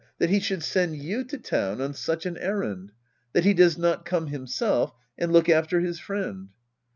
That he should send you to town on such an errand — ^that he does not come himself and look after his friend.